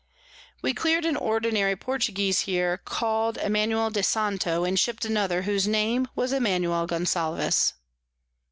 We clear'd an ordinary Portuguese here, call'd Emanuel de Santo, and shipt another, whose Name was Emanuel Gonsalves.